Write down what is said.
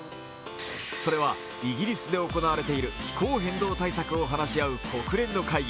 それは、イギリスで行われている気候変動対策を話し合う国連の会議